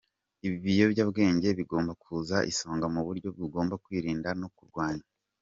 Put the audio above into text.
Ibiyobyabwenge bigomba kuza ku isonga mu byo mugomba kwirinda no kurwanya.